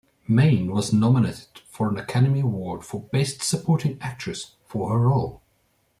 Main was nominated for an Academy Award for Best Supporting Actress for her role.